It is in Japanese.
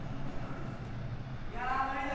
いや無理だ。